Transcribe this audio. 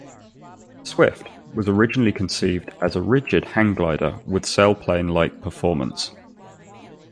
The Swift was originally conceived as a rigid hang glider with sailplane-like performance.